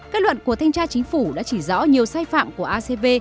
kết luận của thanh tra chính phủ đã chỉ rõ nhiều sai phạm của acv